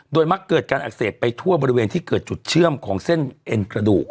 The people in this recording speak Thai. มักเกิดการอักเสบไปทั่วบริเวณที่เกิดจุดเชื่อมของเส้นเอ็นกระดูก